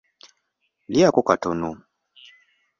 Lyako katono.